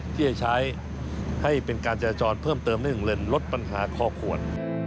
ที่จะใช้ให้เป็นการจรเพิ่มเติมเนื่องเร่งลดปัญหาคอขวด